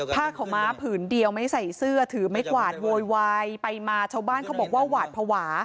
ผ้าขาวม้าผืนเดียวไม่ใส่เสื้อถือไม่กวาดโวยวายไปมาชาวบ้านเขาบอกว่าหวาดภาวะ